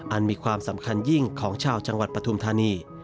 มีความสำคัญยิ่งของชาวจังหวัดปฐุมธานี